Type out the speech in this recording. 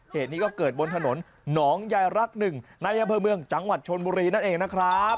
เหตุนี้ก็เกิดบนถนนหนองยายรักหนึ่งในอำเภอเมืองจังหวัดชนบุรีนั่นเองนะครับ